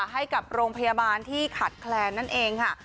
ให้กับโรงพยาบาลที่ขาดแคลนนั่นเองค่ะ